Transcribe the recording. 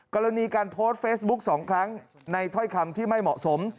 กรณีการโพสต์เฟซบุ๊ก๒ครั้งในถ้อยคำที่ไม่เหมาะสม